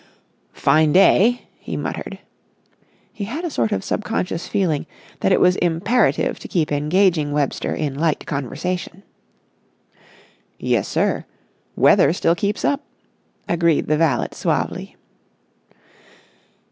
"Fine day!" he muttered. He had a sort of subconscious feeling that it was imperative to keep engaging Webster in light conversation. "Yes, sir. Weather still keeps up," agreed the valet suavely.